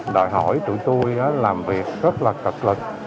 đòi hỏi tụi tôi làm việc rất là cực lực